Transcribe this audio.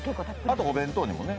あとお弁当にもね。